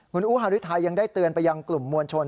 คุณอูฮารุทัยยังได้เตือนไปยังกลุ่มมวลชน